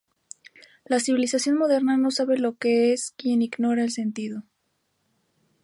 La civilización moderna no sabe lo que es quien ignora el sentido.